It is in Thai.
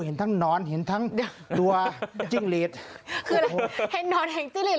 เห็นทั้งนอนเห็นทั้งตัวจิ้งหลีดคืออะไรเห็นนอนแห่งจิ้งหลีด